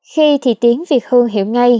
khi thì tiếng phi hương hiểu ngay